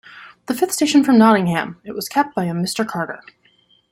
The fifth station from Nottingham, it was kept by a Mr. Carter.